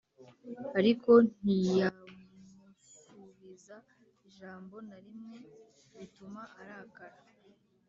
Ariko ntiyamusubiza ijambo na rimwe bituma arakara